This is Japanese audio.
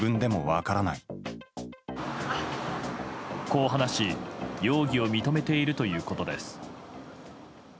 こう話し容疑を認めているということです。